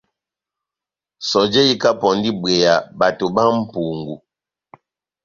Sɔjɛ ikapɔndi ibweya bato bá mʼpungu.